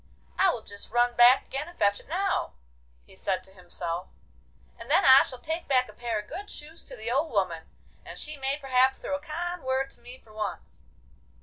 'I will just run back again and fetch it now,' he said to himself, 'and then I shall take back a pair of good shoes to the old woman, and she may perhaps throw a kind word to me for once.